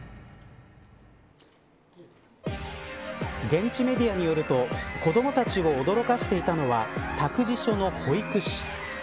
現地メディアによると子どもたちをおどろかしていたのは託児所の保育士。